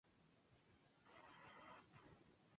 Vive actualmente en San Diego, California.